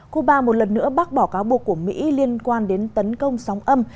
cuba một lần nữa bác bỏ cáo buộc của mỹ liên quan đến tấn công sóng âm